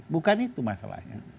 bukan itu masalahnya